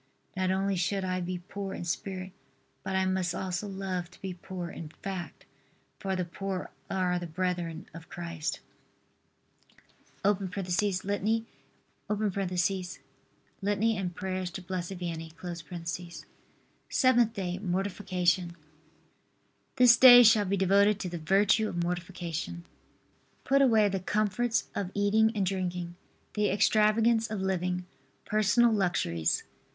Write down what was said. Not only should I be poor in spirit, but I must also love to be poor in fact, for the poor are the brethren of Christ. [Litany and prayers to Blessed Vianney.] SEVENTH DAY. MORTIFICATION. This day shall be devoted to the virtue of mortification. Put away the comforts of eating and drinking, the extravagance of living, personal luxuries.